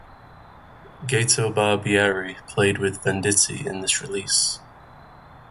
Gato Barbieri played with Venditti in this release.